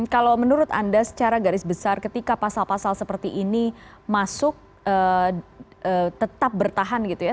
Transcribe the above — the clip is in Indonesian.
kalau menurut anda secara garis besar ketika pasal pasal seperti ini masuk tetap bertahan gitu ya